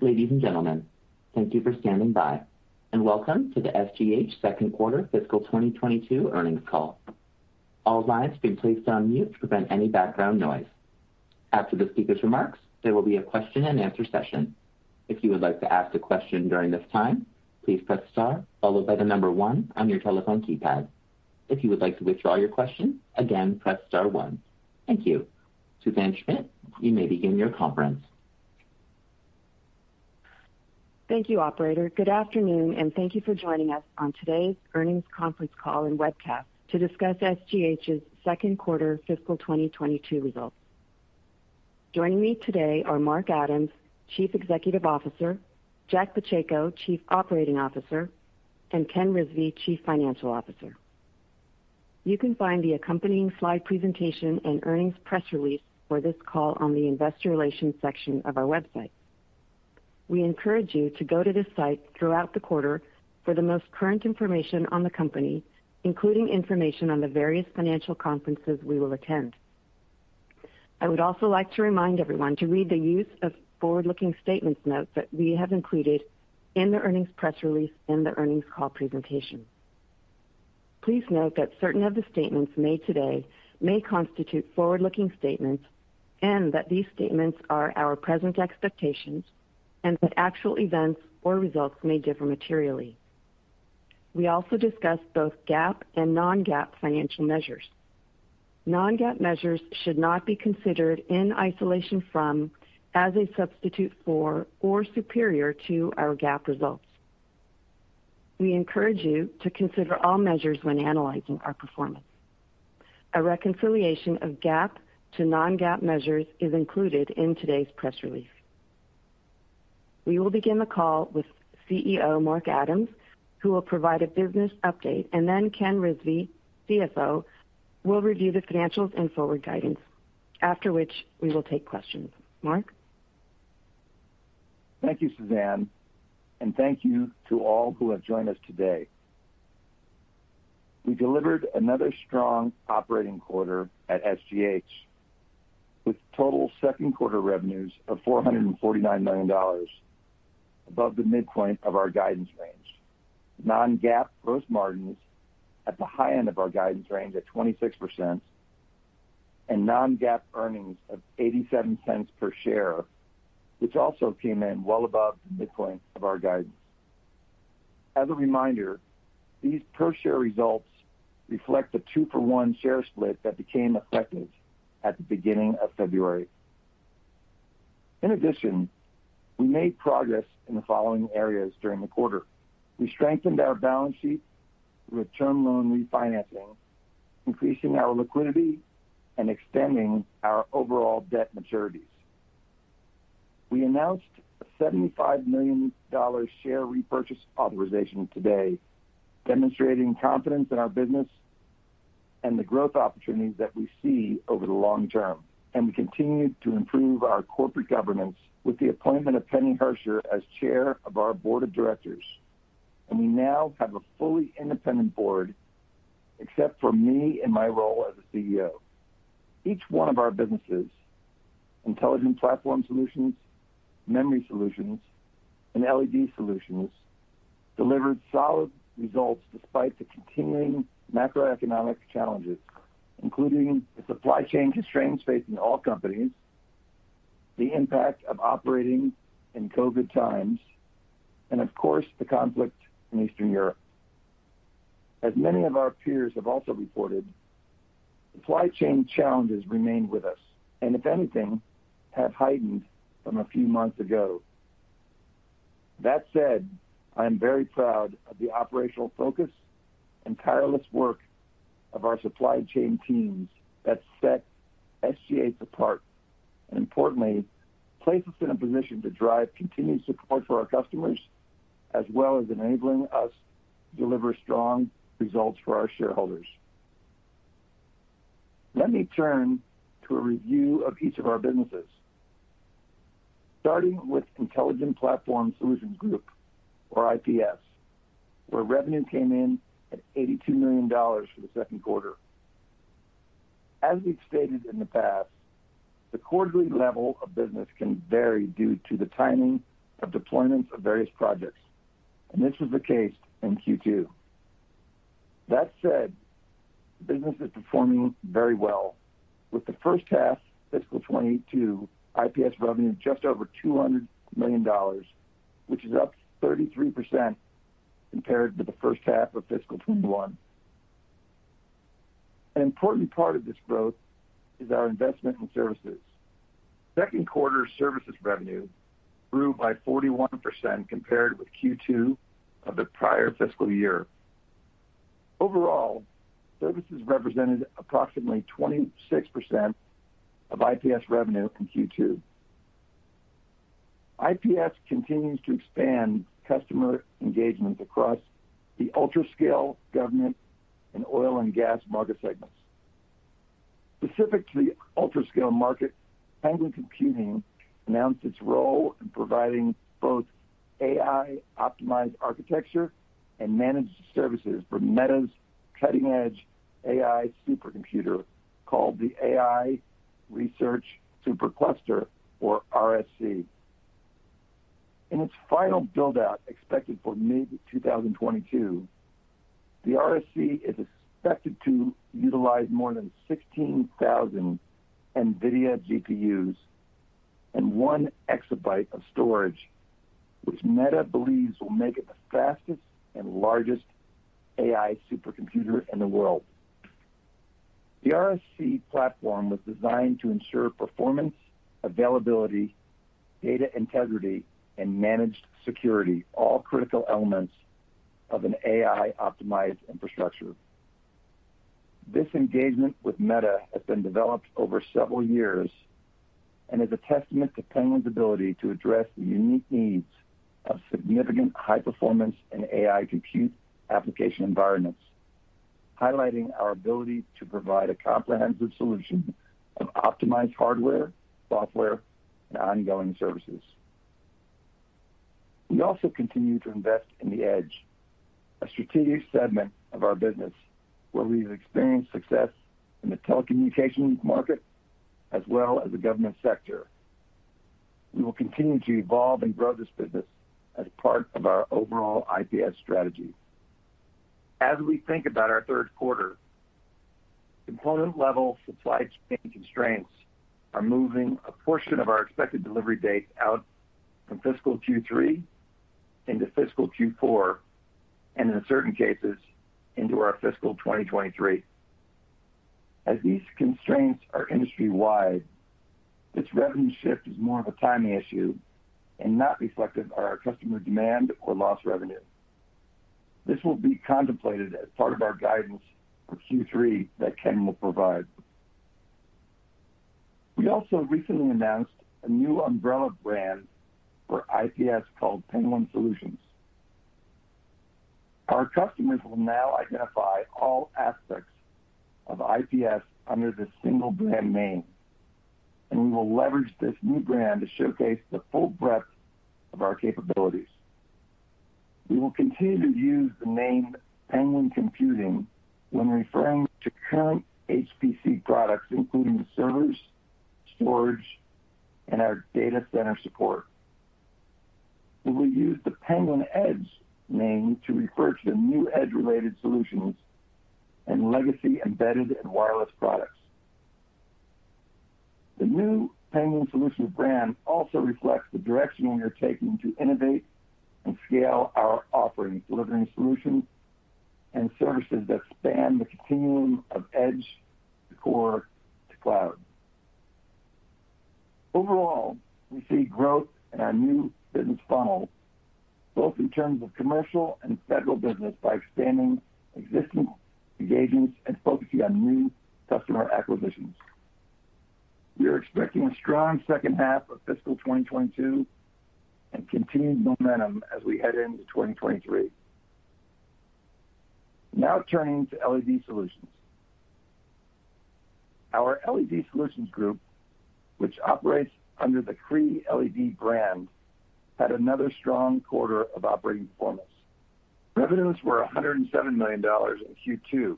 Ladies and gentlemen, thank you for standing by, and welcome to the SGH Q2 fiscal 2022 earnings call. All lines have been placed on mute to prevent any background noise. After the speaker's remarks, there will be a question-and-answer session. If you would like to ask a question during this time, please press star followed by the number 1 on your telephone keypad. If you would like to withdraw your question, again, press star 1. Thank you. Suzanne Schmidt, you may begin your conference. Thank you, operator. Good afternoon, and thank you for joining us on today's earnings conference call and webcast to discuss SGH's Q2 fiscal 2022 results. Joining me today are Mark Adams, Chief Executive Officer, Jack Pacheco, Chief Operating Officer, and Ken Rizvi, Chief Financial Officer. You can find the accompanying slide presentation and earnings press release for this call on the investor relations section of our website. We encourage you to go to the site throughout the quarter for the most current information on the company, including information on the various financial conferences we will attend. I would also like to remind everyone to read the use of forward-looking statements note that we have included in the earnings press release and the earnings call presentation. Please note that certain of the statements made today may constitute forward-looking statements and that these statements are our present expectations and that actual events or results may differ materially. We also discuss both GAAP and non-GAAP financial measures. Non-GAAP measures should not be considered in isolation from, as a substitute for, or superior to our GAAP results. We encourage you to consider all measures when analyzing our performance. A reconciliation of GAAP to non-GAAP measures is included in today's press release. We will begin the call with CEO Mark Adams, who will provide a business update, and then Ken Rizvi, CFO, will review the financials and forward guidance. After which, we will take questions. Mark? Thank you, Suzanne, and thank you to all who have joined us today. We delivered another strong operating quarter at SGH with total Q2 revenues of $449 million above the midpoint of our guidance range. Non-GAAP gross margins at the high end of our guidance range at 26% and non-GAAP earnings of $0.87 per share, which also came in well above the midpoint of our guidance range. As a reminder, these per share results reflect the 2-for-1 share split that became effective at the beginning of February. In addition, we made progress in the following areas during the quarter. We strengthened our balance sheet with term loan refinancing, increasing our liquidity and extending our overall debt maturities. We announced a $75 million share repurchase authorization today, demonstrating confidence in our business and the growth opportunities that we see over the long term. We continued to improve our corporate governance with the appointment of Penny Herscher as Chair of our Board of Directors. We now have a fully independent Board, except for me and my role as a CEO. Each one of our businesses, Intelligent Platform Solutions, Memory Solutions, and LED Solutions, delivered solid results despite the continuing macroeconomic challenges, including the supply chain constraints facing all companies, the impact of operating in COVID times, and of course, the conflict in Eastern Europe. As many of our peers have also reported, supply chain challenges remain with us, and if anything, have heightened from a few months ago. That said, I am very proud of the operational focus and tireless work of our supply chain teams that set SGH apart, and importantly, place us in a position to drive continued support for our customers, as well as enabling us to deliver strong results for our shareholders. Let me turn to a review of each of our businesses. Starting with Intelligent Platform Solutions Group or IPS, where revenue came in at $82 million for the Q2. As we've stated in the past, the quarterly level of business can vary due to the timing of deployments of various projects, and this was the case in Q2. That said, the business is performing very well with the H1 fiscal 2022 IPS revenue just over $200 million, which is up 33% compared to the H1 of fiscal 2021. An important part of this growth is our investment in services. Q2 services revenue grew by 41% compared with Q2 of the prior fiscal year. Overall, services represented approximately 26% of IPS revenue in Q2. IPS continues to expand customer engagement across the ultra-scale government and oil and gas market segments. Specific to the ultra-scale market, Penguin Computing announced its role in providing both AI-optimized architecture and managed services for Meta's cutting-edge AI supercomputer, called the AI Research SuperCluster, or RSC. In its final build-out expected for mid-2022, the RSC is expected to utilize more than 16,000 NVIDIA GPUs and 1 exabyte of storage, which Meta believes will make it the fastest and largest AI supercomputer in the world. The RSC platform was designed to ensure performance, availability, data integrity, and managed security, all critical elements of an AI-optimized infrastructure. This engagement with Meta has been developed over several years and is a testament to Penguin's ability to address the unique needs of significant high performance and AI compute application environments, highlighting our ability to provide a comprehensive solution of optimized hardware, software, and ongoing services. We also continue to invest in the Edge, a strategic segment of our business where we've experienced success in the telecommunications market as well as the government sector. We will continue to evolve and grow this business as part of our overall IPS strategy. As we think about Q2, component level supply chain constraints are moving a portion of our expected delivery dates out from fiscal Q3 into fiscal Q4, and in certain cases, into our fiscal 2023. As these constraints are industry-wide, this revenue shift is more of a timing issue and not reflective of our customer demand or lost revenue. This will be contemplated as part of our guidance for Q3 that Ken will provide. We also recently announced a new umbrella brand for IPS called Penguin Solutions. Our customers will now identify all aspects of IPS under this single brand name, and we will leverage this new brand to showcase the full breadth of our capabilities. We will continue to use the name Penguin Computing when referring to current HPC products, including servers, storage, and our data center support. We will use the Penguin Edge name to refer to the new edge-related solutions and legacy embedded and wireless products. The new Penguin Solutions brand also reflects the direction we are taking to innovate and scale our offerings, delivering solutions and services that span the continuum of edge to core to cloud. Overall, we see growth in our new business funnel, both in terms of commercial and federal business by expanding existing engagements and focusing on new customer acquisitions. We are expecting a strong second half of fiscal 2022 and continued momentum as we head into 2023. Now turning to LED Solutions. Our LED Solutions Group, which operates under the Cree LED brand, had another strong quarter of operating performance. Revenues were $107 million in Q2,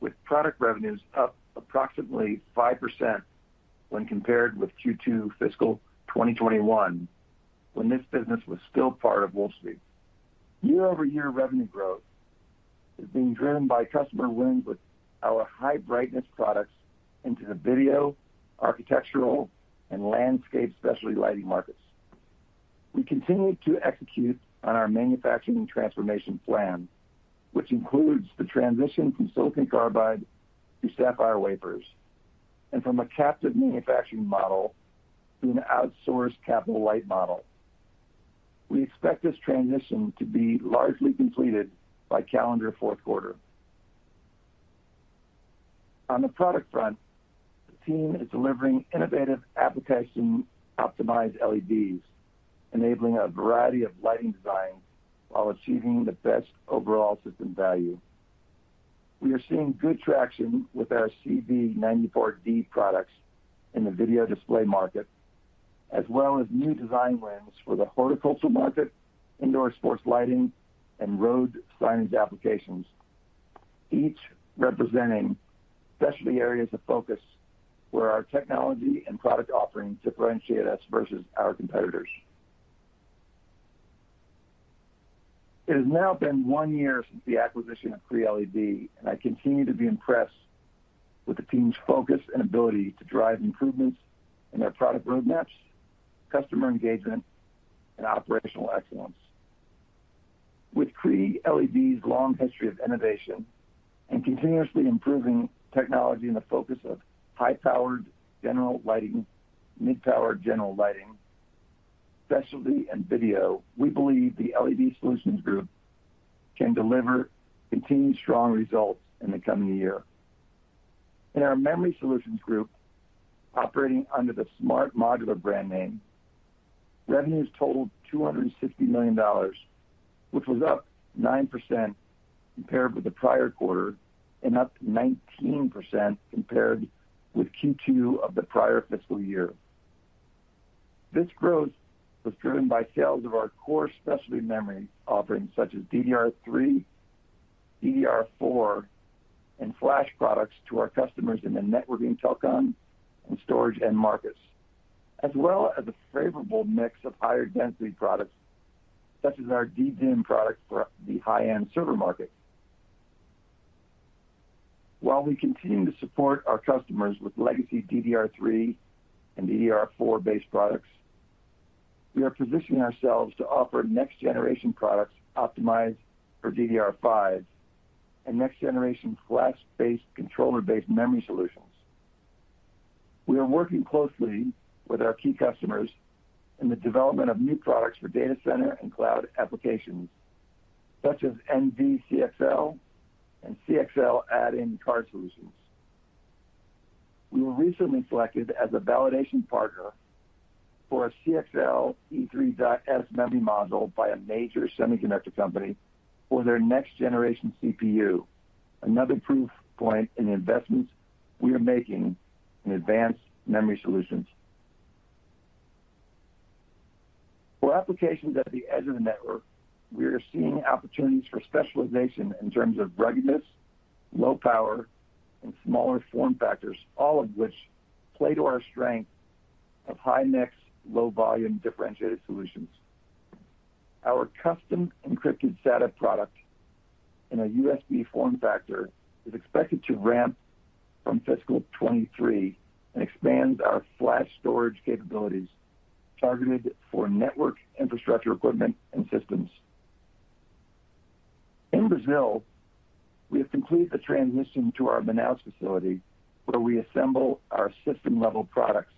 with product revenues up approximately 5% when compared with Q2 fiscal 2021, when this business was still part of Wolfspeed. Year-over-year revenue growth is being driven by customer wins with our high brightness products into the video, architectural, and landscape specialty lighting markets. We continue to execute on our manufacturing transformation plan, which includes the transition from silicon carbide to sapphire wafers, and from a captive manufacturing model to an outsourced capital-light model. We expect this transition to be largely completed by calendar Q4. On the product front, the team is delivering innovative application optimized LEDs, enabling a variety of lighting designs while achieving the best overall system value. We are seeing good traction with our CB94D products in the video display market, as well as new design wins for the horticultural market, indoor sports lighting, and road signage applications, each representing specialty areas of focus where our technology and product offerings differentiate us versus our competitors. It has now been one year since the acquisition of Cree LED, and I continue to be impressed with the team's focus and ability to drive improvements in their product roadmaps, customer engagement, and operational excellence. With Cree LED's long history of innovation and continuously improving technology in the focus of high-powered general lighting, mid-powered general lighting, specialty and video, we believe the LED Solutions Group can deliver continued strong results in the coming year. In our Memory Solutions Group, operating under the Smart Modular brand name, revenues totaled $260 million, which was up 9% compared with the prior quarter and up 19% compared with Q2 of the prior fiscal year. This growth was driven by sales of our core specialty memory offerings such as DDR3, DDR4, and Flash products to our customers in the networking, telecom, and storage end markets. A favorable mix of higher density products, such as our DDIMM product for the high-end server market. While we continue to support our customers with legacy DDR3 and DDR4 based products, we are positioning ourselves to offer next-generation products optimized for DDR5 and next-generation Flash-based, controller-based memory solutions. We are working closely with our key customers in the development of new products for data center and cloud applications, such as NVDIMM/CXL and CXL add-in card solutions. We were recently selected as a validation partner for a CXL E3.S memory module by a major semiconductor company for their next-generation CPU. Another proof point in the investments we are making in advanced memory solutions. For applications at the edge of the network, we are seeing opportunities for specialization in terms of ruggedness, low power, and smaller form factors, all of which play to our strength of high mix, low volume differentiated solutions. Our custom encrypted SATA product in a USB form factor is expected to ramp from fiscal 2023 and expand our flash storage capabilities targeted for network infrastructure equipment and systems. In Brazil, we have completed the transition to our Manaus facility, where we assemble our system-level products,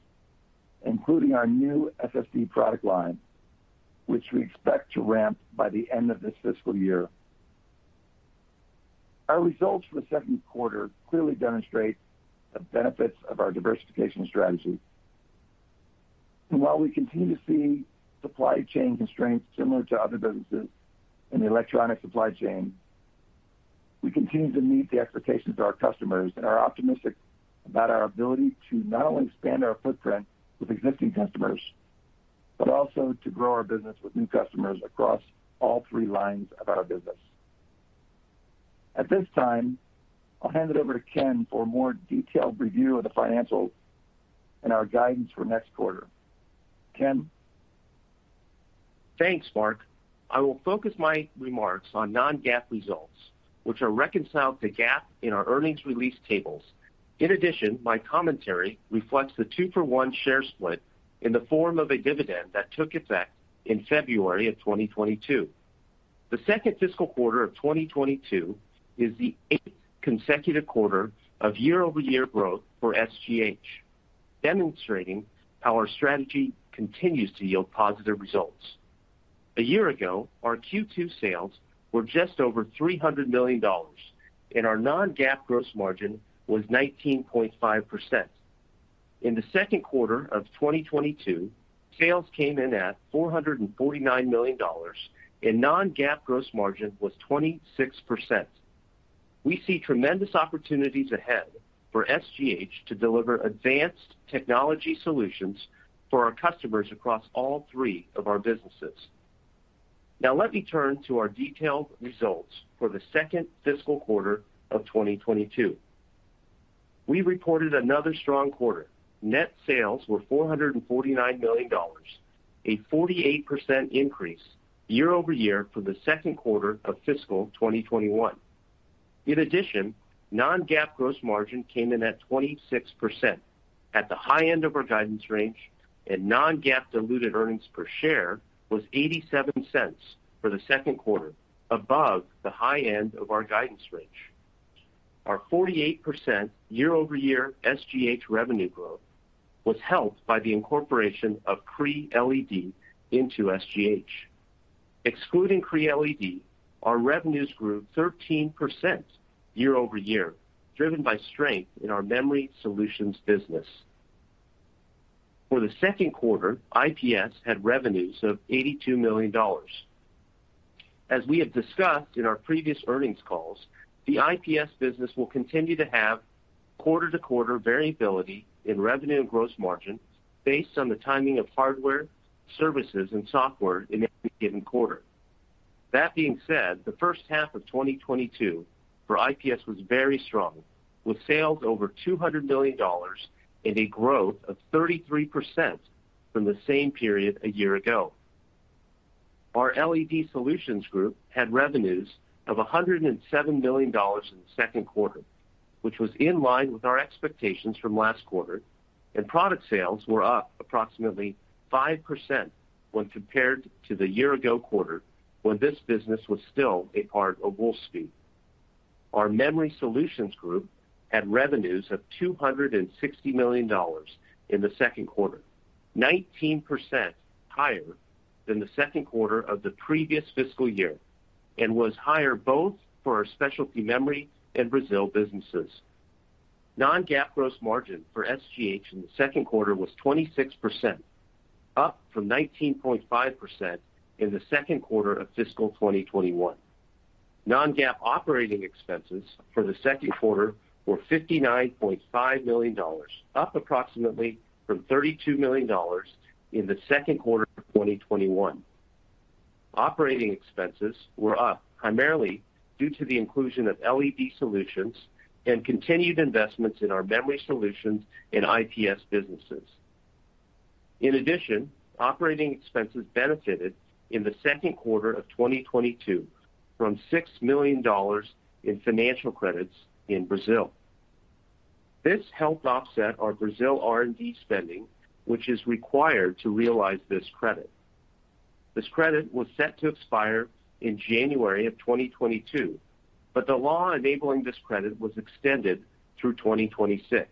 including our new SSD product line, which we expect to ramp by the end of this fiscal year. Our results for the Q2 clearly demonstrate the benefits of our diversification strategy. While we continue to see supply chain constraints similar to other businesses in the electronic supply chain, we continue to meet the expectations of our customers and are optimistic about our ability to not only expand our footprint with existing customers, but also to grow our business with new customers across all three lines of our business. At this time, I'll hand it over to Ken for a more detailed review of the financials and our guidance for next quarter. Ken? Thanks, Mark. I will focus my remarks on non-GAAP results, which are reconciled to GAAP in our earnings release tables. In addition, my commentary reflects the 2-for-1 share split in the form of a dividend that took effect in February 2022. The second fiscal quarter of 2022 is the eighth consecutive quarter of year-over-year growth for SGH, demonstrating how our strategy continues to yield positive results. A year ago, our Q2 sales were just over $300 million, and our non-GAAP gross margin was 19.5%. In the Q2 of 2022, sales came in at $449 million, and non-GAAP gross margin was 26%. We see tremendous opportunities ahead for SGH to deliver advanced technology solutions for our customers across all three of our businesses. Now, let me turn to our detailed results for the second fiscal quarter of 2022. We reported another strong quarter. Net sales were $449 million, a 48% increase year-over-year for the Q2 of fiscal 2021. In addition, non-GAAP gross margin came in at 26% at the high end of our guidance range, and non-GAAP diluted earnings per share was $0.87 for the Q2, above the high end of our guidance range. Our 48% year-over-year SGH revenue growth was helped by the incorporation of Cree LED into SGH. Excluding Cree LED, our revenues grew 13% year-over-year, driven by strength in our Memory Solutions business. For the Q2, IPS had revenues of $82 million. As we have discussed in our previous earnings calls, the IPS business will continue to have quarter-to-quarter variability in revenue and gross margin based on the timing of hardware, services, and software in any given quarter. That being said, the H1 of 2022 for IPS was very strong, with sales over $200 million and a growth of 33% from the same period a year ago. Our LED Solutions Group had revenues of $107 million in the Q2, which was in line with our expectations from last quarter, and product sales were up approximately 5% when compared to the year-ago quarter when this business was still a part of Wolfspeed. Our Memory Solutions Group had revenues of $260 million in the Q2, 19% higher than the Q2 of the previous fiscal year, and was higher both for our Specialty Memory and Brazil businesses. Non-GAAP gross margin for SGH in Q2 was 26%, up from 19.5% in the Q2 of fiscal 2021. Non-GAAP operating expenses for the Q2 were $59.5 million, up approximately from Q2 of 2021. Operating expenses were up primarily due to the inclusion of LED Solutions and continued investments in our Memory Solutions and IPS businesses. In addition, operating expenses benefited in the Q2 of 2022 from $6 million in financial credits in Brazil. This helped offset our Brazil R&D spending, which is required to realize this credit. This credit was set to expire in January of 2022, but the law enabling this credit was extended through 2026.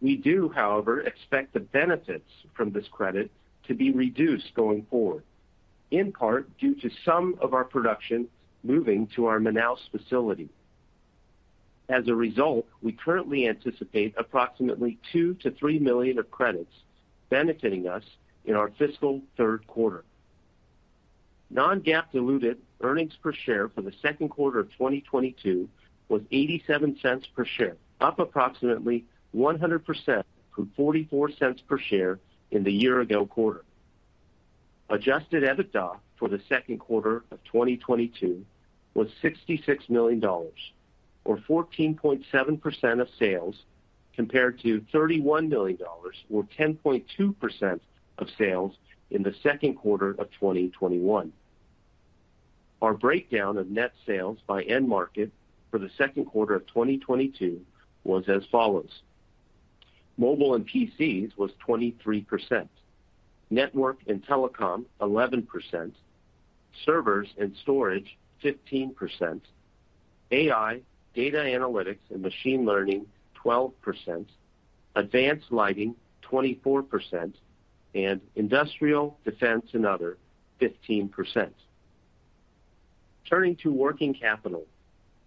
We do, however, expect the benefits from this credit to be reduced going forward, in part due to some of our production moving to our Manaus facility. As a result, we currently anticipate approximately $2 million-$3 million of credits benefiting us in our fiscal Q3. Non-GAAP diluted earnings per share for the Q2 of 2022 was $0.87 per share, up approximately 100% from $0.44 per share in the year ago quarter. Adjusted EBITDA for the Q2 of 2022 was $66 million, or 14.7% of sales, compared to $31 million, or 10.2% of sales in the Q2 of 2021. Our breakdown of net sales by end market for the Q2 of 2022 was as follows. Mobile and PCs was 23%. Network and telecom, 11%. Servers and storage, 15%. AI, data analytics, and machine learning, 12%. Advanced lighting, 24%. Industrial, defense, and other, 15%. Turning to working capital,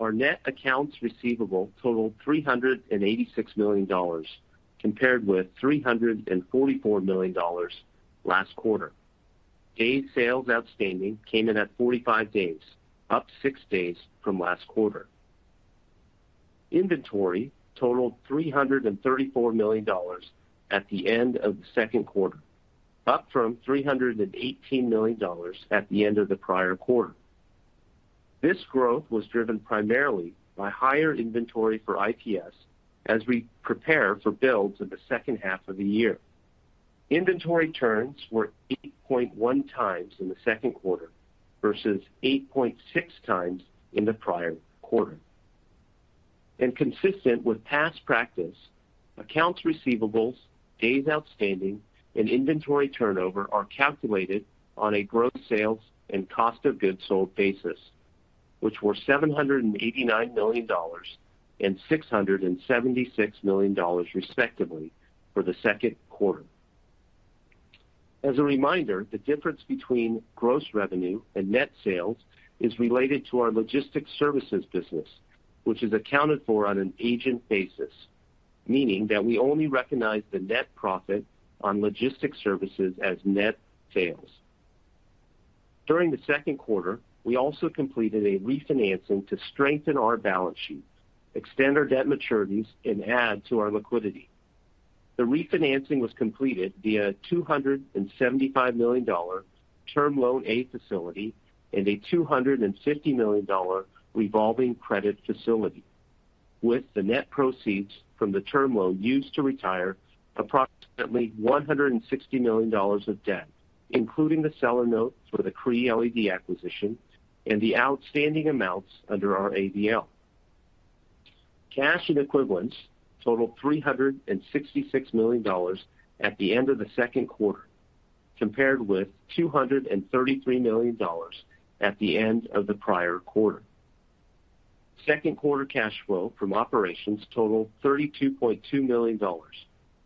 our net accounts receivable totaled $386 million, compared with $344 million last quarter. Day sales outstanding came in at 45 days, up 6 days from last quarter. Inventory totaled $334 million at the end of the Q2, up from $318 million at the end of the prior quarter. This growth was driven primarily by higher inventory for IPS as we prepare for builds in the H2 of the year. Inventory turns were 8.1 times in the Q2 versus 8.6 times in the prior quarter. Consistent with past practice, accounts receivables, days outstanding, and inventory turnover are calculated on a gross sales and cost of goods sold basis, which were $789 million and $676 million respectively for the Q2. As a reminder, the difference between gross revenue and net sales is related to our logistics services business, which is accounted for on an agent basis, meaning that we only recognize the net profit on logistics services as net sales. During the Q2, we also completed a refinancing to strengthen our balance sheet, extend our debt maturities, and add to our liquidity. The refinancing was completed via a $275 million term loan A facility and a $250 million revolving credit facility, with the net proceeds from the term loan used to retire approximately $160 million of debt, including the seller notes for the Cree LED acquisition and the outstanding amounts under our ABL. Cash and equivalents totaled $366 million at the end of the, compared with $233 million at the end of the prior quarter. Q2 cash flow from operations totaled $32.2 million,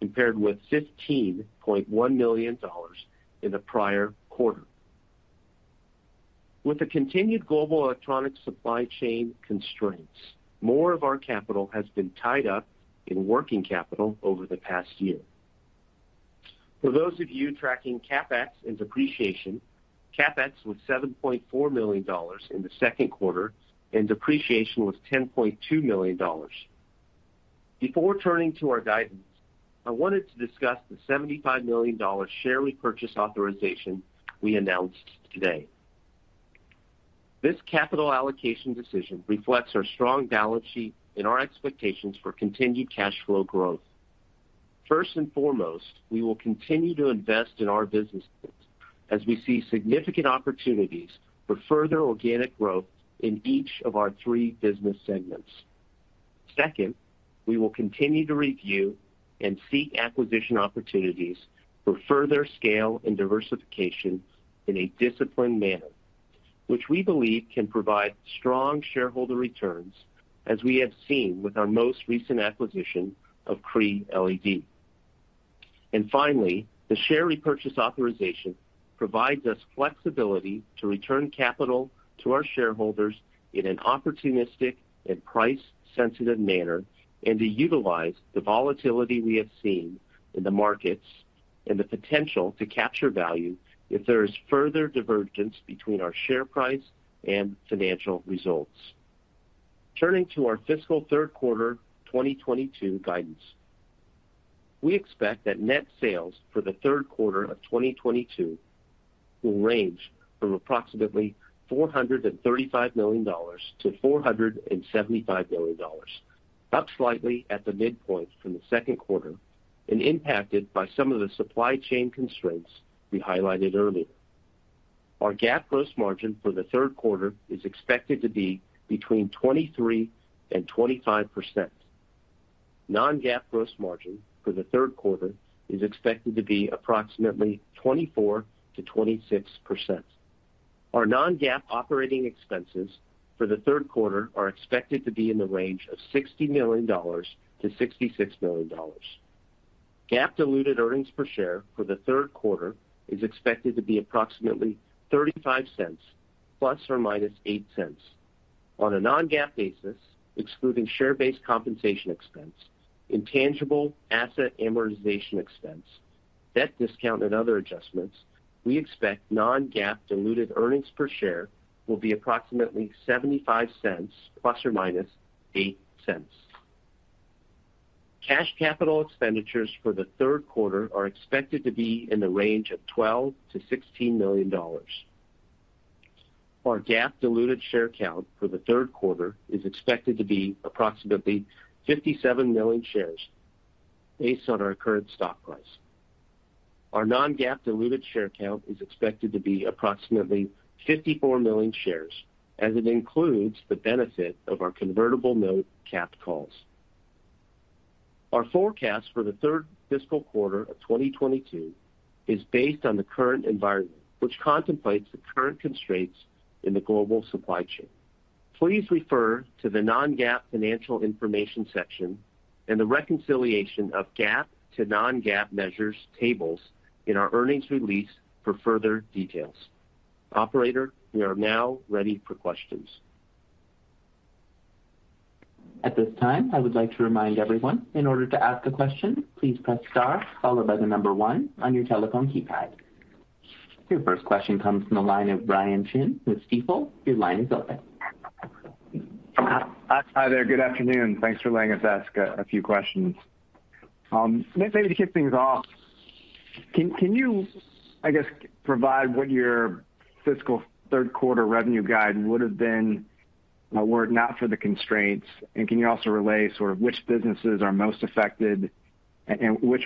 compared with $15.1 million in the prior quarter. With the continued global electronic supply chain constraints, more of our capital has been tied up in working capital over the past year. For those of you tracking CapEx and depreciation, CapEx was $7.4 million in the Q2, and depreciation was $10.2 million. Before turning to our guidance, I wanted to discuss the $75 million share repurchase authorization we announced today. This capital allocation decision reflects our strong balance sheet and our expectations for continued cash flow growth. First and foremost, we will continue to invest in our businesses as we see significant opportunities for further organic growth in each of our three business segments. Second, we will continue to review and seek acquisition opportunities for further scale and diversification in a disciplined manner, which we believe can provide strong shareholder returns as we have seen with our most recent acquisition of Cree LED. Finally, the share repurchase authorization provides us flexibility to return capital to our shareholders in an opportunistic and price-sensitive manner, and to utilize the volatility we have seen in the markets and the potential to capture value if there is further divergence between our share price and financial results. Turning to our fiscal Q3 2022 guidance. We expect that net sales for the Q3 of 2022 will range from approximately $435 million to $475 million, up slightly at the midpoint from the Q2 and impacted by some of the supply chain constraints we highlighted earlier. Our GAAP gross margin for the Q3 is expected to be between 23% and 25%. Non-GAAP gross margin for the third is expected to be approximately 24%-26%. Our non-GAAP operating expenses for the Q3 are expected to be in the range of $60 million-$66 million. GAAP diluted earnings per share for the Q3 is expected to be approximately $0.35 ± $0.08. On a non-GAAP basis, excluding share-based compensation expense, intangible asset amortization expense, debt discount, and other adjustments, we expect non-GAAP diluted earnings per share will be approximately $0.75 ± $0.08. Cash capital expenditures for the Q3 are expected to be in the range of $12 million-$16 million. Our GAAP diluted share count for the Q3 is expected to be approximately 57 million shares based on our current stock price. Our non-GAAP diluted share count is expected to be approximately 54 million shares as it includes the benefit of our convertible note capped calls. Our forecast for the third fiscal quarter of 2022 is based on the current environment, which contemplates the current constraints in the global supply chain. Please refer to the non-GAAP financial information section and the reconciliation of GAAP to non-GAAP measures tables in our earnings release for further details. Operator, we are now ready for questions. At this time, I would like to remind everyone, in order to ask a question, please press star followed by 1 on your telephone keypad. Your first question comes from the line of Brian Chin with Stifel. Your line is open. Hi there. Good afternoon. Thanks for letting us ask a few questions. Maybe to kick things off, can you, I guess, provide what your fiscal Q3 revenue guide would have been, were it not for the constraints? Can you also relay sort of which businesses are most affected and what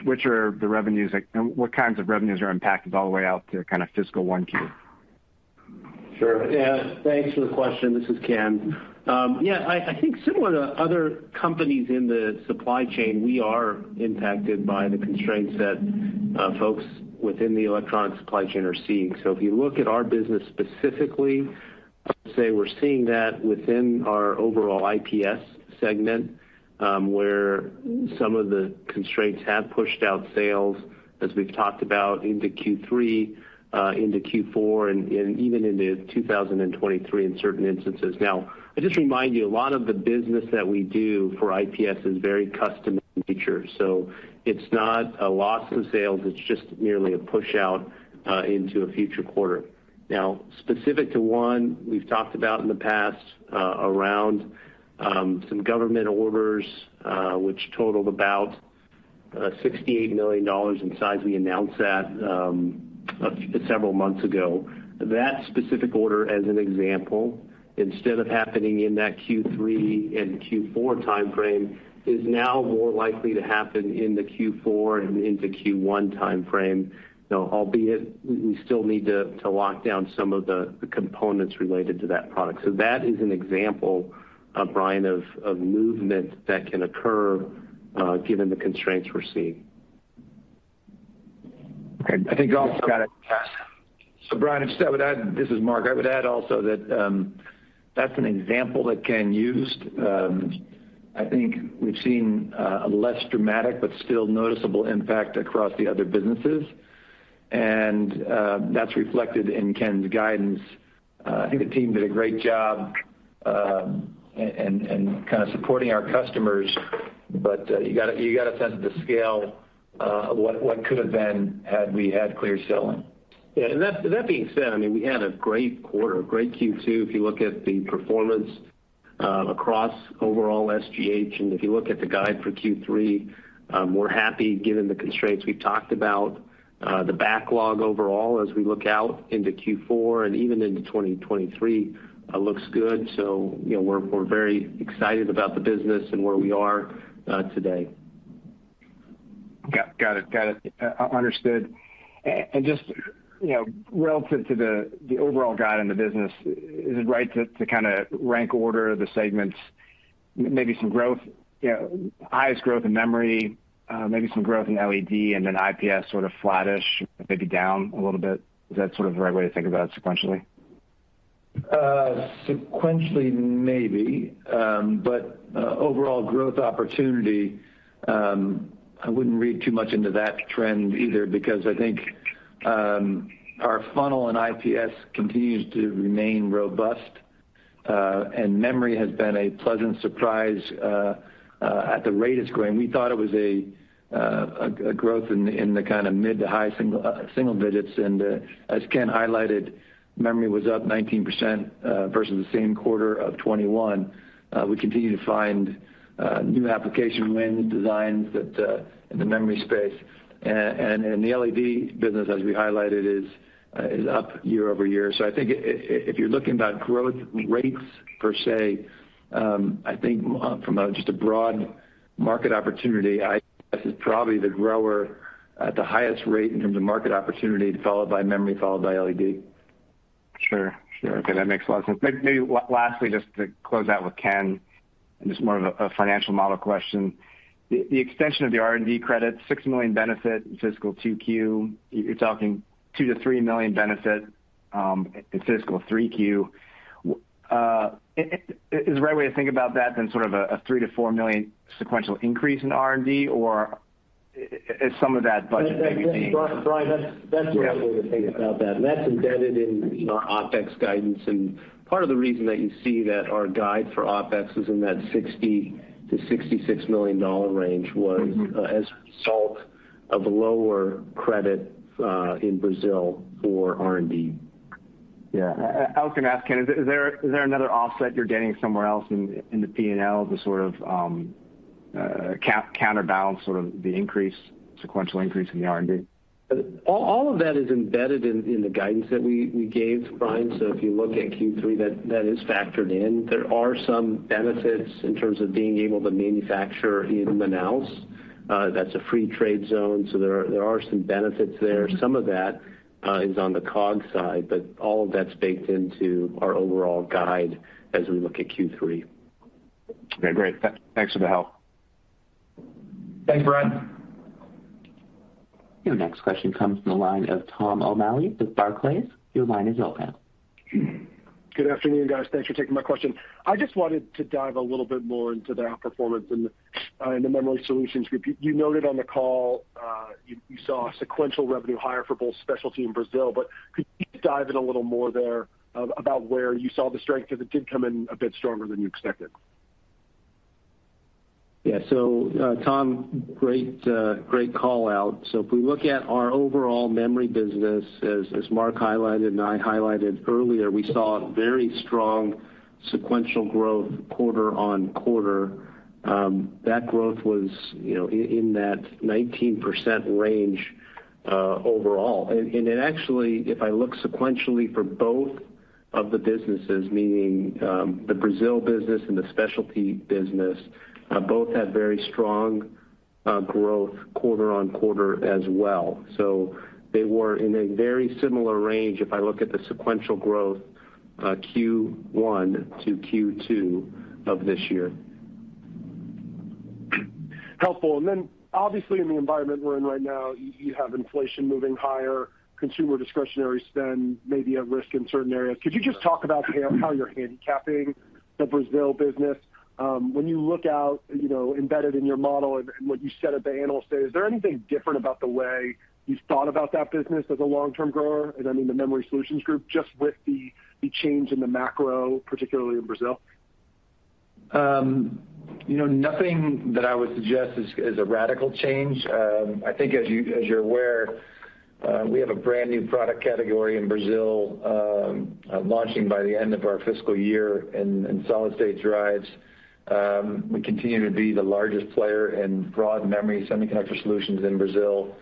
kinds of revenues are impacted all the way out to kind of fiscal 1Q? Sure. Yeah. Thanks for the question. This is Ken. I think similar to other companies in the supply chain, we are impacted by the constraints that folks within the electronic supply chain are seeing. If you look at our business specifically, say we're seeing that within our overall IPS segment, where some of the constraints have pushed out sales as we've talked about into Q3, into Q4, and even into 2023 in certain instances. Now, I just remind you, a lot of the business that we do for IPS is very custom in nature, so it's not a loss in sales, it's just merely a push out into a future quarter. Now, specific to one we've talked about in the past, around some government orders, which totaled about $68 million in size. We announced that several months ago. That specific order, as an example, instead of happening in that Q3 and Q4 time frame, is now more likely to happen in the Q4 and into Q1 time frame. Now, albeit, we still need to lock down some of the components related to that product. That is an example, Brian, of movement that can occur given the constraints we're seeing. Okay. I think also. Got it. Brian, in addition to that, this is Mark. I would add also that that's an example that Ken used. I think we've seen a less dramatic but still noticeable impact across the other businesses, and that's reflected in Ken's guidance. I think the team did a great job and kind of supporting our customers, but you gotta sense the scale of what could have been had we had clear sailing. That being said, I mean, we had a great quarter, a great Q2 if you look at the performance across overall SGH. If you look at the guide for Q3, we're happy given the constraints. We've talked about the backlog overall as we look out into Q4 and even into 2023, looks good. we're very excited about the business and where we are today. Got it. Understood. Just relative to the overall guide in the business, is it right to kinda rank order the segments, maybe some growth highest growth in memory, maybe some growth in LED and then IPS sort of flattish, maybe down a little bit? Is that sort of the right way to think about it sequentially? Sequentially, maybe. Overall growth opportunity, I wouldn't read too much into that trend either because I think our funnel in IPS continues to remain robust, and memory has been a pleasant surprise at the rate it's growing. We thought it was a growth in the kind of mid- to high-single digits. As Ken highlighted, memory was up 19% versus the same quarter of 2021. We continue to find new application wins, designs that in the memory space. The LED business, as we highlighted, is up year-over-year. I think if you're looking about growth rates per se, I think from just a broad market opportunity, IPS is probably the grower at the highest rate in terms of market opportunity, followed by memory, followed by LED. Sure. Okay, that makes a lot of sense. Maybe lastly, just to close out with Ken, just more of a financial model question. The extension of the R&D credit, $6 million benefit in fiscal 2Q. You're talking $2-3 million benefit in fiscal 3Q. Is the right way to think about that then sort of a $3-4 million sequential increase in R&D, or is some of that budget maybe being- Brian, that's the right way to think about that, and that's embedded in our OpEx guidance. Part of the reason that you see that our guide for OpEx is in that $60 million-$66 million range was as a result of lower credit in Brazil for R&D. Yeah. I was gonna ask, Ken, is there another offset you're getting somewhere else in the P&L to sort of counterbalance sort of the increase, sequential increase in the R&D? All of that is embedded in the guidance that we gave, Brian. If you look at Q3, that is factored in. There are some benefits in terms of being able to manufacture in Manaus. That's a free trade zone, so there are some benefits there. Some of that is on the COGS side, but all of that's baked into our overall guide as we look at Q3. Okay, great. Thanks for the help. Thanks, Brian. Your next question comes from the line of Thomas O'Malley with Barclays. Your line is open. Good afternoon, guys. Thanks for taking my question. I just wanted to dive a little bit more into the outperformance in the Memory Solutions Group. You noted on the call you saw a sequential revenue higher for both specialty and Brazil, but could you dive in a little more there about where you saw the strength, as it did come in a bit stronger than you expected? Yeah. Tom, great call-out. If we look at our overall memory business, as Mark highlighted and I highlighted earlier, we saw very strong sequential growth quarter-on-quarter. That growth was in that 19% range, overall. It actually, if I look sequentially for both of the businesses, meaning the Brazil business and the specialty business, both had very strong growth quarter-on-quarter as well. They were in a very similar range if I look at the sequential growth, Q1 to Q2 of this year. Helpful. Then obviously in the environment we're in right now, you have inflation moving higher, consumer discretionary spend may be at risk in certain areas. Could you just talk about how you're handicapping the Brazil business? When you look out, embedded in your model and what you said at the Analyst Day, is there anything different about the way you've thought about that business as a long-term grower? I mean, the Memory Solutions Group, just with the change in the macro, particularly in Brazil. nothing that I would suggest is a radical change. I think as you're aware, we have a brand new product category in Brazil launching by the end of our fiscal year in solid-state drives. We continue to be the largest player in broad memory semiconductor solutions in Brazil.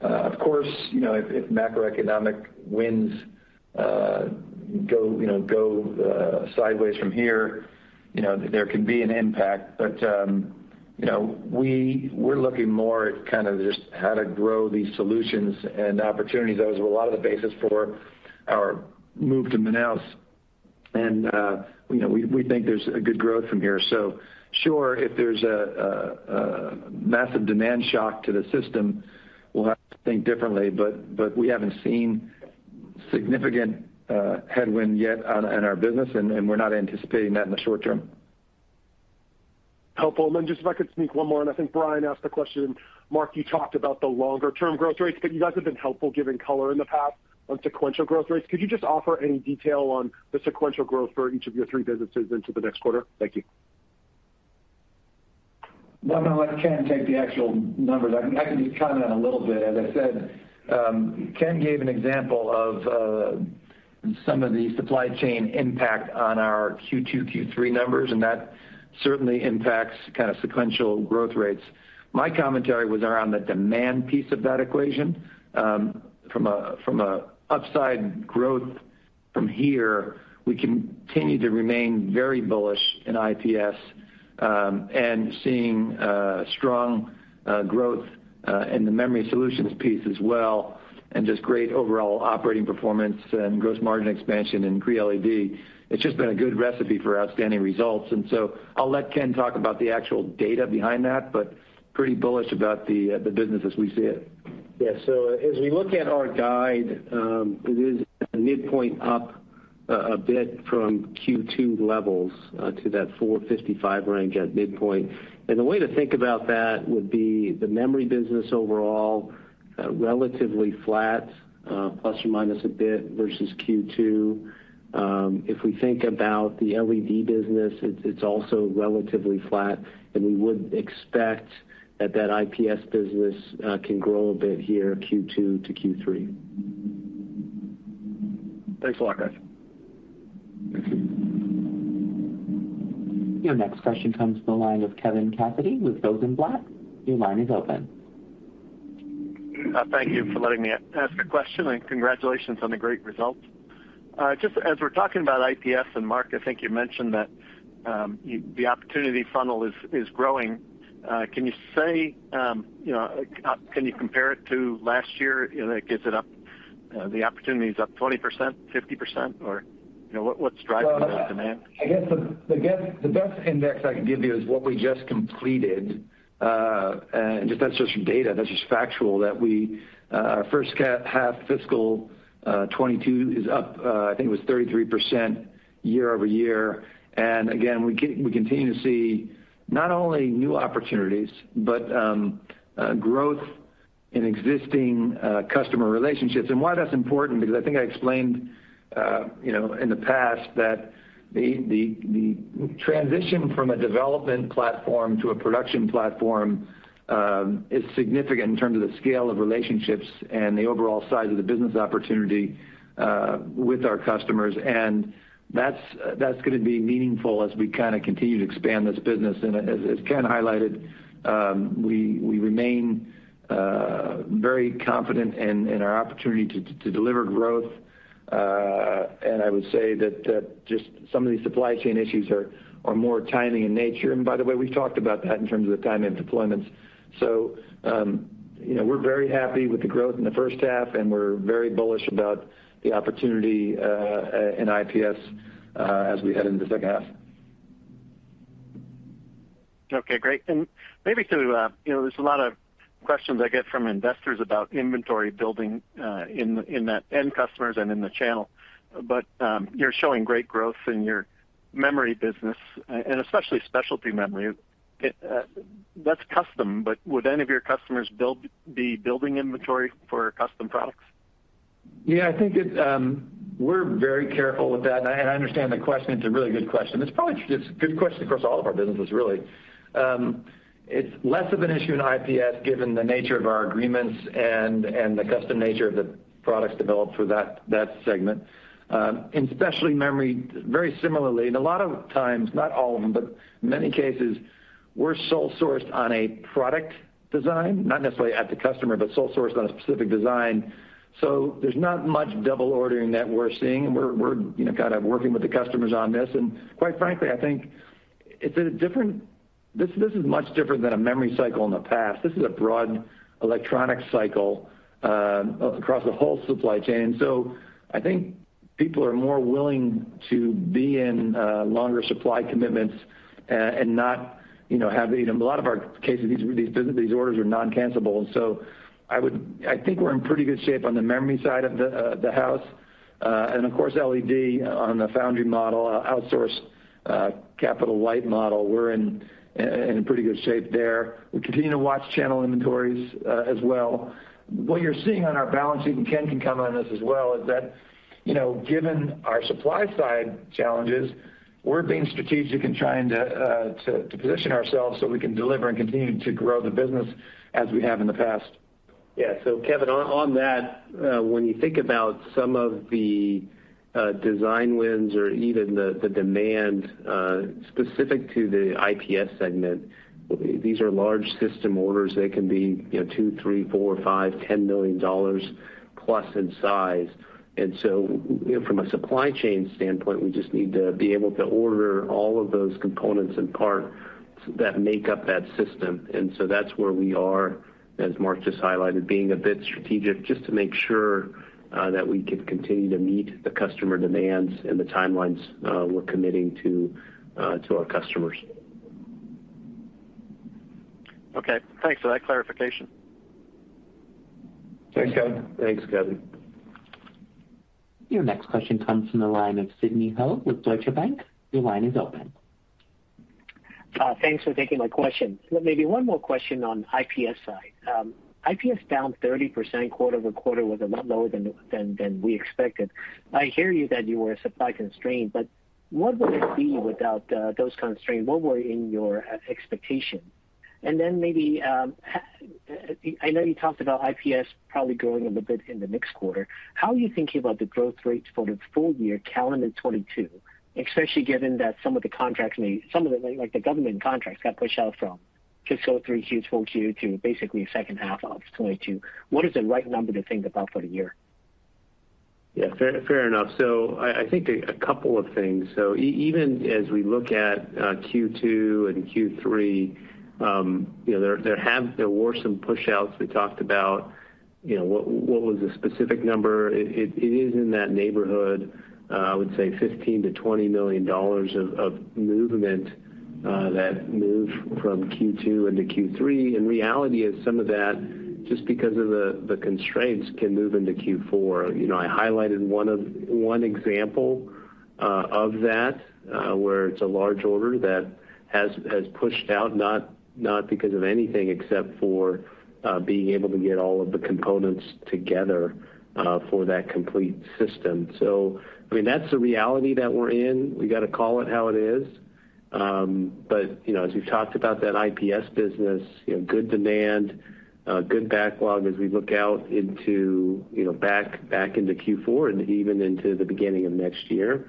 Of course, if macroeconomic winds go sideways from here there could be an impact. we're looking more at kind of just how to grow these solutions and opportunities. That was a lot of the basis for our move to Manaus. we think there's a good growth from here. Sure, if there's a massive demand shock to the system, we'll have to think differently, but we haven't seen significant headwind yet in our business, and we're not anticipating that in the short term. Helpful. Just if I could sneak one more in. I think Brian asked the question, Mark, you talked about the longer term growth rates, but you guys have been helpful giving color in the past on sequential growth rates. Could you just offer any detail on the sequential growth for each of your three businesses into the next quarter? Thank you. Well, I'm gonna let Ken take the actual numbers. I can just comment on it a little bit. As I said, Ken gave an example of some of the supply chain impact on our Q2, Q3 numbers, and that certainly impacts kind of sequential growth rates. My commentary was around the demand piece of that equation. From a upside growth from here, we continue to remain very bullish in IPS, and seeing strong growth in the Memory Solutions piece as well, and just great overall operating performance and gross margin expansion in Cree LED. It's just been a good recipe for outstanding results. I'll let Ken talk about the actual data behind that, but pretty bullish about the business as we see it. Yeah. As we look at our guide, it is a midpoint up a bit from Q2 levels to that $455 range at midpoint. The way to think about that would be the Memory business overall relatively flat, plus or minus a bit versus Q2. If we think about the LED business, it's also relatively flat, and we would expect that IPS business can grow a bit here, Q2 to Q3. Thanks a lot, guys. Your next question comes from the line of Kevin Cassidy with Rosenblatt. Your line is open. Thank you for letting me ask a question, and congratulations on the great results. Just as we're talking about IPS, and Mark, I think you mentioned that the opportunity funnel is growing. Can you compare it to last year? like, is it up, the opportunity is up 20%, 50%, or what's driving that demand? Well, I guess the best index I can give you is what we just completed, and that's just from data. That's just factual that we H1 fiscal 2022 is up, I think it was 33% year-over-year. Again, we continue to see not only new opportunities, but growth in existing customer relationships. Why that's important, because I think I explained, in the past that the transition from a development platform to a production platform is significant in terms of the scale of relationships and the overall size of the business opportunity with our customers. That's gonna be meaningful as we kinda continue to expand this business. As Ken highlighted, we remain very confident in our opportunity to deliver growth. I would say that just some of these supply chain issues are more timing in nature. By the way, we've talked about that in terms of the timing of deployments. we're very happy with the growth in the H1, and we're very bullish about the opportunity in IPS as we head into the H2. Okay, great. Maybe to there's a lot of questions I get from investors about inventory building in the end customers and in the channel. You're showing great growth in your memory business, and especially specialty memory. That's custom, but would any of your customers be building inventory for custom products? Yeah, I think it. We're very careful with that, and I understand the question. It's a really good question. It's probably a good question across all of our businesses, really. It's less of an issue in IPS, given the nature of our agreements and the custom nature of the products developed for that segment. In specialty memory, very similarly, and a lot of times, not all of them, but many cases, we're sole sourced on a product design, not necessarily at the customer, but sole sourced on a specific design. So there's not much double ordering that we're seeing, and we're, kind of working with the customers on this. Quite frankly, I think it's different. This is much different than a memory cycle in the past. This is a broad electronic cycle across the whole supply chain. I think people are more willing to be in longer supply commitments and not have in a lot of our cases, these orders are non-cancellable. I think we're in pretty good shape on the memory side of the house. Of course, LED on the foundry model, outsource, capital light model, we're in pretty good shape there. We continue to watch channel inventories as well. What you're seeing on our balancing, Ken can comment on this as well, is that given our supply side challenges, we're being strategic in trying to position ourselves so we can deliver and continue to grow the business as we have in the past. Yeah. Kevin, on that, when you think about some of the design wins or even the demand specific to the IPS segment, these are large system orders. They can be $2 million, $3 million, $4 million, $5 million, $10 million plus in size. From a supply chain standpoint, we just need to be able to order all of those components and parts that make up that system. That's where we are, as Mark just highlighted, being a bit strategic just to make sure that we can continue to meet the customer demands and the timelines we're committing to our customers. Okay. Thanks for that clarification. Thanks, Kevin. Thanks, Kevin. Your next question comes from the line of Sidney Ho with Deutsche Bank. Your line is open. Thanks for taking my question. Maybe one more question on IPS side. IPS down 30% quarter-over-quarter was a lot lower than we expected. I hear you that you were supply constrained, but what would it be without those constraints? What were in your expectations? I know you talked about IPS probably growing a little bit in the next quarter. How are you thinking about the growth rates for the full year calendar 2022, especially given that some of the, like, the government contracts got pushed out from fiscal Q3, full Q to basically H2 of 2022. What is the right number to think about for the year? Yeah, fair enough. I think a couple of things. Even as we look at Q2 and Q3 there were some pushouts we talked about. what was the specific number? It is in that neighborhood. I would say $15 million-$20 million of movement. That move from Q2 into Q3, reality is some of that, just because of the constraints, can move into Q4. I highlighted one example of that, where it's a large order that has pushed out, not because of anything except for being able to get all of the components together for that complete system. I mean, that's the reality that we're in. We gotta call it how it is. as we've talked about that IPS business, good demand, good backlog as we look out into back into Q4 and even into the beginning of next year.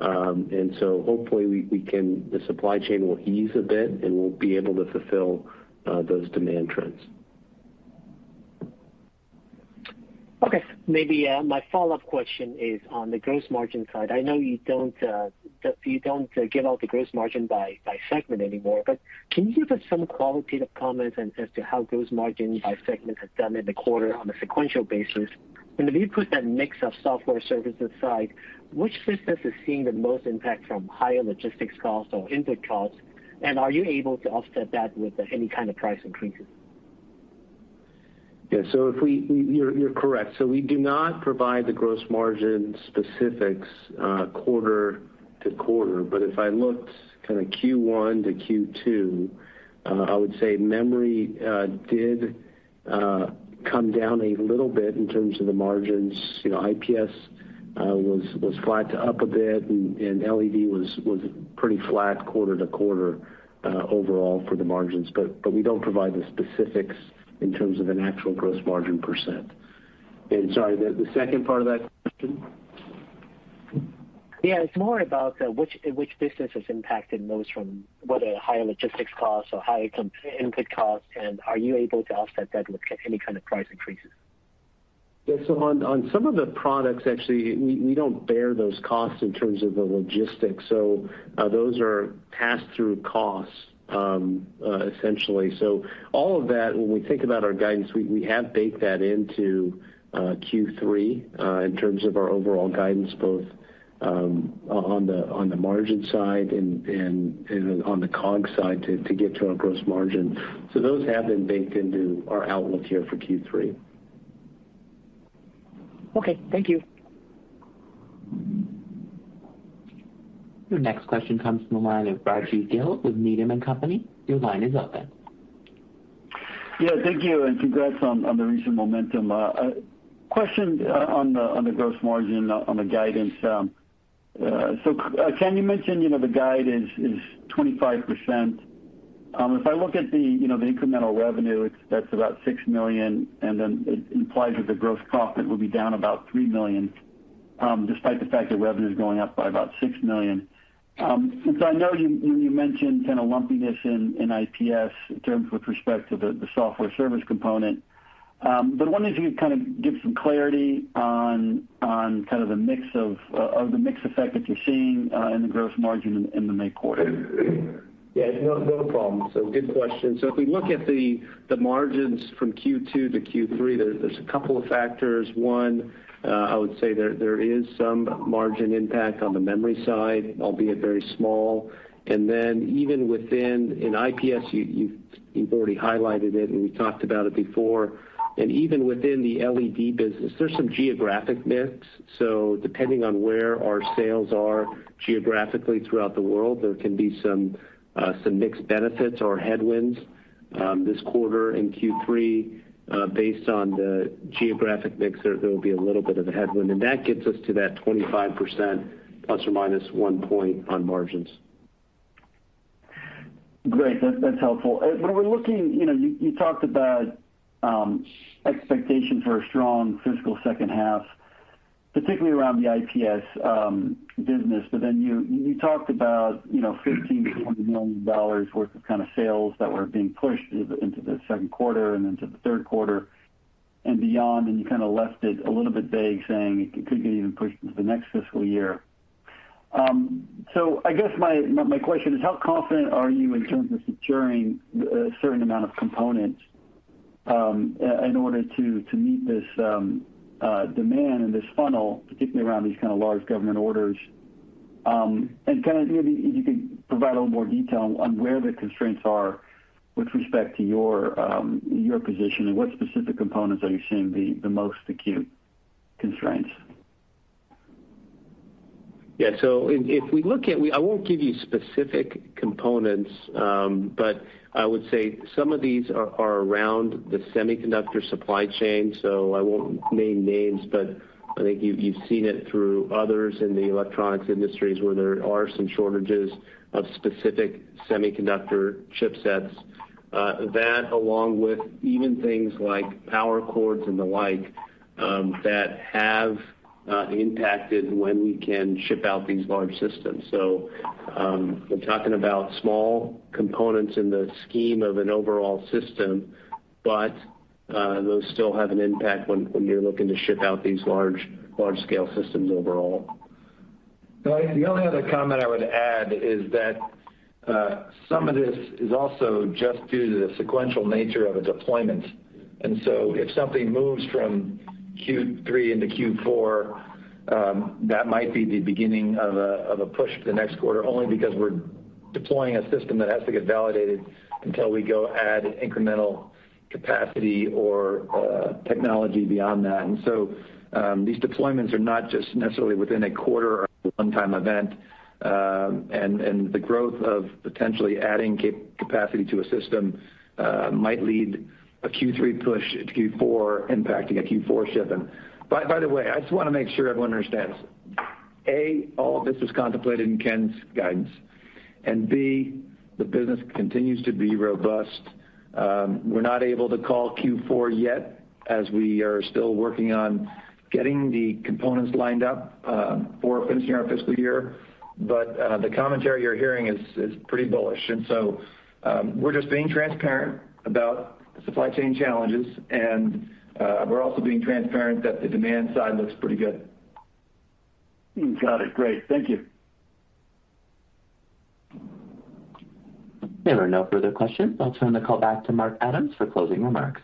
Hopefully, the supply chain will ease a bit, and we'll be able to fulfill those demand trends. Okay. Maybe my follow-up question is on the gross margin side. I know you don't give out the gross margin by segment anymore, but can you give us some qualitative comments as to how gross margin by segment has done in the quarter on a sequential basis? If you put that mix of software services aside, which business is seeing the most impact from higher logistics costs or input costs, and are you able to offset that with any kind of price increases? You're correct. We do not provide the gross margin specifics quarter-to-quarter. But if I looked kinda Q1 to Q2, I would say memory did come down a little bit in terms of the margins. IPS was flat to up a bit, and LED was pretty flat quarter-to-quarter overall for the margins. But we don't provide the specifics in terms of an actual gross margin %. And sorry, the second part of that question? Yeah. It's more about which business is impacted most from whether higher logistics costs or higher input costs, and are you able to offset that with any kind of price increases? Yeah. On some of the products, actually, we don't bear those costs in terms of the logistics, so those are pass-through costs, essentially. All of that, when we think about our guidance, we have baked that into Q3 in terms of our overall guidance, both on the margin side and on the COGS side to get to our gross margin. Those have been baked into our outlook here for Q3. Okay. Thank you. Your next question comes from the line of Rajvindra Gill with Needham & Company. Your line is open. Yeah. Thank you, and congrats on the recent momentum. A question on the gross margin on the guidance. Can you mention the guide is 25%. If I look at the incremental revenue, it's about $6 million, and then it implies that the gross profit will be down about $3 million, despite the fact that revenue's going up by about $6 million. Since I know you mentioned kinda lumpiness in IPS in terms with respect to the software service component, but I wonder if you could kind of give some clarity on kind of the mix effect that you're seeing in the gross margin in the May quarter. Yeah. No, no problem. Good question. If we look at the margins from Q2 to Q3, there's a couple of factors. One, I would say there is some margin impact on the memory side, albeit very small. Then even within IPS, you've already highlighted it, and we talked about it before. Even within the LED business, there's some geographic mix, so depending on where our sales are geographically throughout the world, there can be some mixed benefits or headwinds. This quarter in Q3, based on the geographic mix, there will be a little bit of a headwind, and that gets us to that 25% ±1 point on margins. Great. That's helpful. When we're looking you talked about expectation for a strong fiscal, particularly around the IPS business. You talked about $15 million-$20 million worth of kinda sales that were being pushed into the Q2 and into the Q3 and beyond, and you kinda left it a little bit vague, saying it could get even pushed into the next fiscal year. I guess my question is how confident are you in terms of securing a certain amount of components in order to meet this demand and this funnel, particularly around these kinda large government orders? Kinda maybe if you could provide a little more detail on where the constraints are with respect to your position, and what specific components are you seeing the most acute constraints? I won't give you specific components, but I would say some of these are around the semiconductor supply chain. I won't name names, but I think you've seen it through others in the electronics industries where there are some shortages of specific semiconductor chipsets. That along with even things like power cords and the like that have impacted when we can ship out these large systems. We're talking about small components in the scheme of an overall system, but those still have an impact when you're looking to ship out these large scale systems overall. The only other comment I would add is that some of this is also just due to the sequential nature of a deployment. If something moves from Q3 into Q4, that might be the beginning of a push to the next quarter, only because we're deploying a system that has to get validated until we go add incremental capacity or technology beyond that. These deployments are not just necessarily within a quarter or a one-time event. The growth of potentially adding capacity to a system might lead a Q3 push into Q4, impacting a Q4 ship. By the way, I just wanna make sure everyone understands. A, all of this was contemplated in Ken's guidance, and B, the business continues to be robust. We're not able to call Q4 yet as we are still working on getting the components lined up for finishing our fiscal year. But the commentary you're hearing is pretty bullish. We're just being transparent about the supply chain challenges, and we're also being transparent that the demand side looks pretty good. Got it. Great. Thank you. There are no further questions. I'll turn the call back to Mark Adams for closing remarks.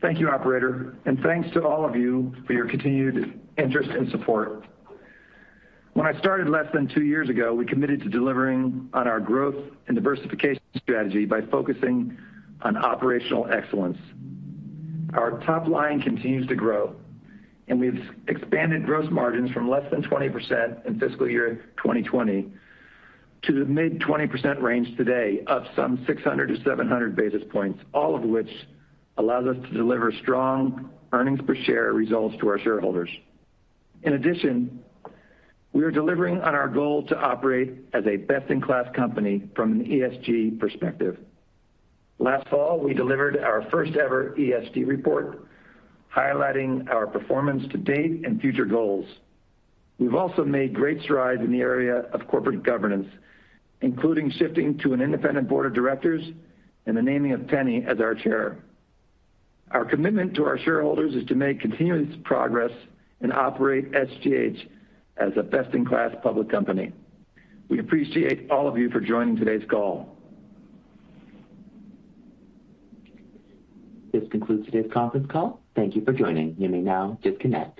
Thank you, operator, and thanks to all of you for your continued interest and support. When I started less than two years ago, we committed to delivering on our growth and diversification strategy by focusing on operational excellence. Our top line continues to grow, and we've expanded gross margins from less than 20% in fiscal year 2020 to the mid-20% range today, up some 600-700 basis points, all of which allows us to deliver strong earnings per share results to our shareholders. In addition, we are delivering on our goal to operate as a best-in-class company from an ESG perspective. Last fall, we delivered our first-ever ESG report, highlighting our performance to date and future goals. We've also made great strides in the area of corporate governance, including shifting to an independent board of directors and the naming of Penny as our Chair. Our commitment to our shareholders is to make continuous progress and operate SGH as a best-in-class public company. We appreciate all of you for joining today's call. This concludes today's conference call. Thank you for joining. You may now disconnect.